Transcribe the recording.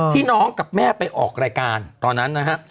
น้องกับแม่ไปออกรายการตอนนั้นนะฮะ